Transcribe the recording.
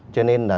cho nên là